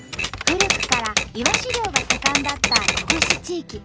古くからいわし漁が盛んだった小串地域。